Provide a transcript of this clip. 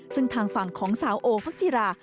ซึ่งทางฝั่งของสาวโอพักจิรา